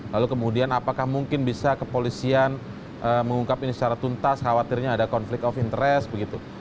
lalu kemudian apakah mungkin bisa kepolisian mengungkap ini secara tuntas khawatirnya ada konflik of interest begitu